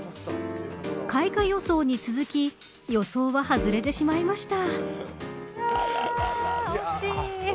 開花予想に続き予想は外れてしまいました。